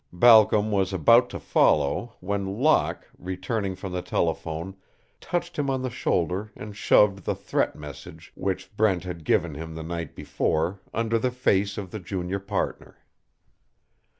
Balcom was about to follow, when Locke, returning from the telephone, touched him on the shoulder and shoved the threat message which Brent had given him the night before under the face of the junior partner.